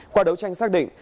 qua đấu tranh xác định